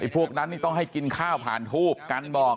พวกนั้นนี่ต้องให้กินข้าวผ่านทูบกันบอก